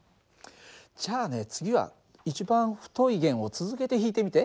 じゃあね次は一番太い弦を続けて弾いてみて。